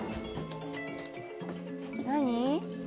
「何？」